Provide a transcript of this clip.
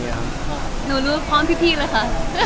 หนูรู้พร้อมพี่เลยค่ะ